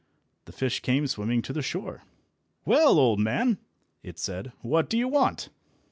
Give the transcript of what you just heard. The fish came swimming to the shore. "Well, old man!" it said, "what do you want?"